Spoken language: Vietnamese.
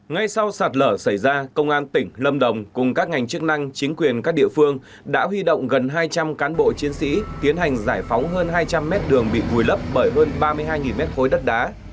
ngay sau sạt lở xảy ra công an tỉnh lâm đồng cùng các ngành chức năng chính quyền các địa phương đã huy động gần hai trăm linh cán bộ chiến sĩ tiến hành giải phóng hơn hai trăm linh mét đường bị vùi lấp bởi hơn ba mươi hai mét khối đất đá